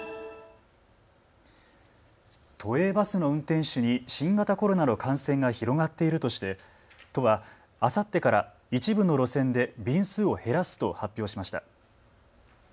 都営バスの運転手に新型コロナの感染が広がっているとして都はあさってから一部の路線で便数を減らすと発表しました。